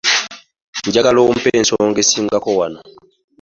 Njagala ompe ensonga esingako wano.